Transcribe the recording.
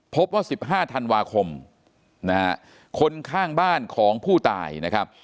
พบว่า๑๕ธันวาคมนะฮะคนข้างบ้านของผู้ตายนะครับ